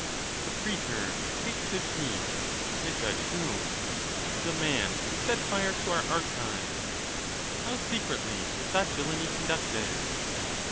The prsetor' takes his seat. To judge whom? The man who set fire to our archives. How secretly was that villany conducted